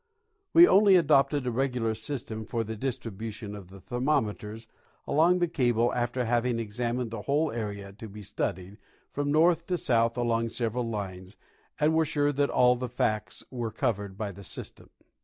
We onW adopted a regular system for the distribution of the thermometers along the cable after having examined the whole area to be studied from north to south along several lines and were sure that all the facts were covered by the system.